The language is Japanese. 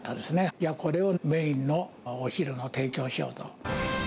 じゃあ、これをメインのお昼の提供しようと。